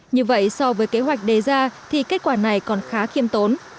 như vậy so với kế hoạch đề ra thì kết quả này còn khá khiêm tốn